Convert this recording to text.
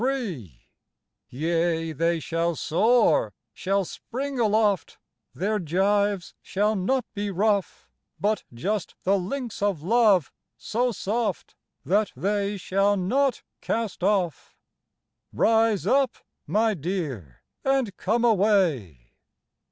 DEAD A PRISONER 7 1 Yea they shall soar, shall spring aloft / Their gyves shall not be rough, But just the links of love so soft That they shall not cast off. Rise up, my dear, and come away."